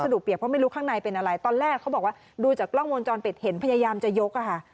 ดูจากกล้องวงจรเป็ดเห็นพยายามจะยกค่ะ